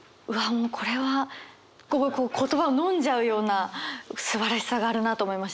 もうこれは言葉をのんじゃうようなすばらしさがあるなと思いました。